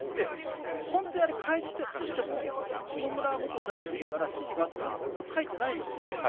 本当にあれ開示したとしても、下村元大臣から指示があったなんてこと書いてないんだと思うんです。